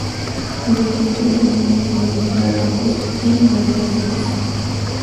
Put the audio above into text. La iglesia reúne elementos barrocos y neoclásicos.